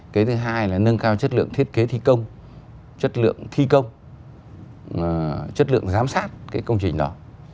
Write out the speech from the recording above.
cái thứ hai là nâng cao chất lượng thiết kế thi công chất lượng thi công chất lượng giám sát cái công trình đó